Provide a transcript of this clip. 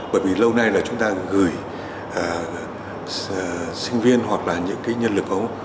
bởi vì lâu nay là chúng ta gửi sinh viên hoặc là những cái nhân lực ấu